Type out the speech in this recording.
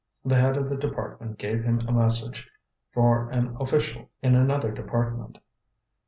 The Head of the Department gave him a message for an official in another department.